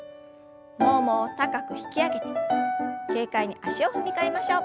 ももを高く引き上げて軽快に足を踏み替えましょう。